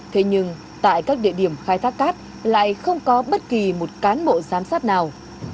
thế nhưng tại các địa điểm khai thác cát lại không có bất kỳ một cán bộ giám sát nào